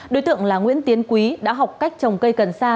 đối tượng là nguyễn tiến quý đã học cách trồng cây cần sa